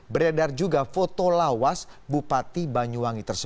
beredar juga foto lawas bupati banyuwangi